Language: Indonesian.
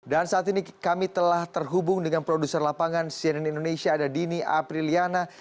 dan saat ini kami telah terhubung dengan produser lapangan cnn indonesia ada dini apriliana